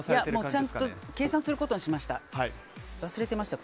ちゃんと計算することにしました。